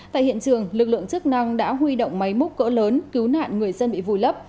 tại hiện trường lực lượng chức năng đã huy động máy múc cỡ lớn cứu nạn người dân bị vùi lấp